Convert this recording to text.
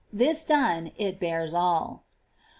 This done, it bears all. 16.